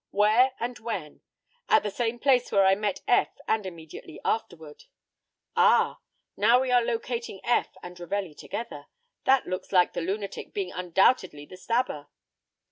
"Where and when?" "At the same place where I met Eph, and immediately afterward." "Ah! now we are locating Eph and Ravelli together. That looks like the lunatic being undoubtedly the stabber."